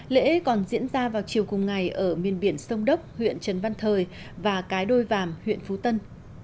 lễ còn diễn ra vào chiều cùng ngày ở miền biển sông đốc huyện trần văn thời và cái đôi vàm huyện phú tân